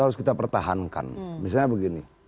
harus kita pertahankan misalnya begini